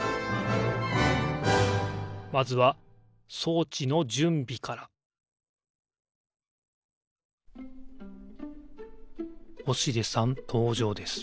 まずは装置のじゅんびから星出さんとうじょうです。